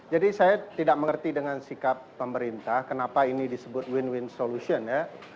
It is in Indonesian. jadi saya tidak mengerti dengan sikap pemerintah kenapa ini disebut win win solution ya